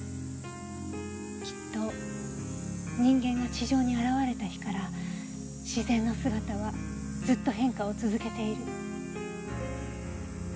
きっと人間が地上に現れた日から自然の姿はずっと変化を続けている。